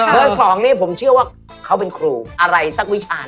สองนี้ผมเชื่อว่าเขาเป็นครูอะไรสักวิชา